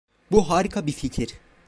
Bu harika bir fikir.